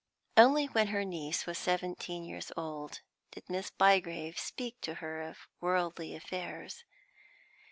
Only when her niece was seventeen years old did Miss Bygrave speak to her of worldly affairs.